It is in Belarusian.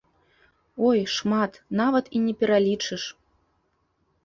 Ой, шмат, нават і не пералічыш!